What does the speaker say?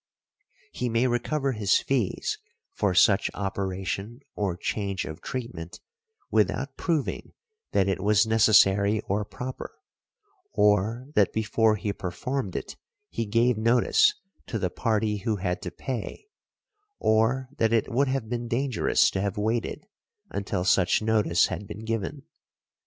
He may recover his fees for such operation or change of treatment without proving that it was necessary or proper, or that before he performed it he gave notice to the party who had to pay, or that it would have been dangerous to have waited until such notice had been given.